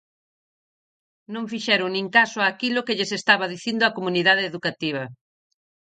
Non fixeron nin caso a aquilo que lles estaba dicindo a comunidade educativa.